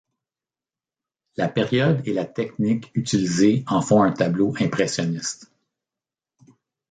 La période et la technique utilisée en font un tableau impressionniste.